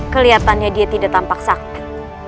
kelihatannya dia tidak tampak sakit